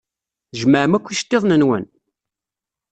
Tjemɛem akk iceṭṭiḍen-nwen?